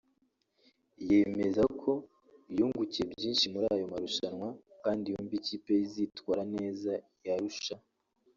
yemeza ko yungukiye byinshi muri ayo marushwa kandi yumva ikipe ye izitwara neza i Arusha